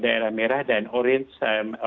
daerah merah dan orange